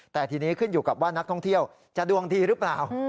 แต่ทีนี้ขึ้นอยู่กับว่านักท่องเที่ยวจะดวงดีหรือเปล่า